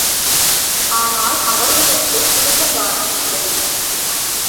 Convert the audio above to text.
ஆனால், அவர்களுக்குக் குடும்பப் பாரம் இல்லை.